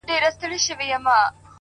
خيرات پر باچا لا روا دئ.